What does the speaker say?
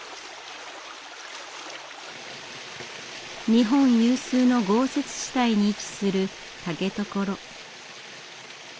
日本有数の豪雪地帯に位置する竹所。